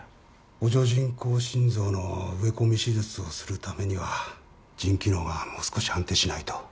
補助人工心臓の植え込み手術をするためには腎機能がもう少し安定しないと。